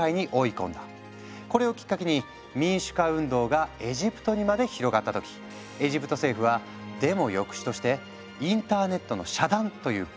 これをきっかけに民主化運動がエジプトにまで広がった時エジプト政府はデモ抑止としてインターネットの遮断という暴挙に出たんだ。